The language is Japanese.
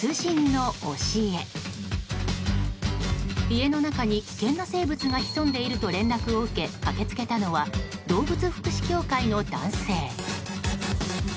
家の中に危険な生物が潜んでいると連絡を受け、駆け付けたのは動物福祉協会の男性。